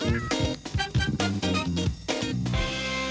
โปรดติดตามตอนต่อไป